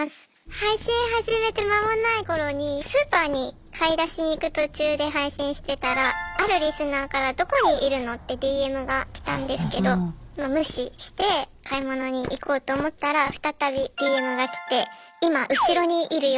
配信始めて間もない頃にスーパーに買い出しに行く途中で配信してたらあるリスナーから「どこにいるの？」ってＤＭが来たんですけどまあ無視して買い物に行こうと思ったら再びＤＭが来て「いま後ろにいるよ」。